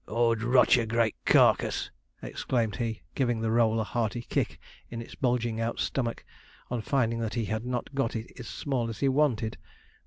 ''Ord rot your great carcass!' exclaimed he, giving the roll a hearty kick in its bulging out stomach, on finding that he had not got it as small as he wanted.